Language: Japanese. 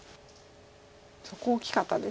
そこ大きかったです